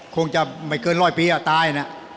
คงจะไม่เกินร้อยปีอ่ะตายนะ